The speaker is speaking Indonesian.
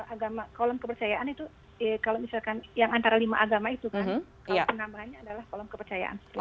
agama kolom kepercayaan itu kalau misalkan yang antara lima agama itu kan penambahannya adalah kolom kepercayaan